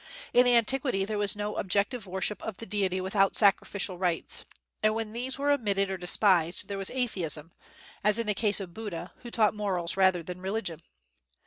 In antiquity there was no objective worship of the Deity without sacrificial rites, and when these were omitted or despised there was atheism, as in the case of Buddha, who taught morals rather than religion.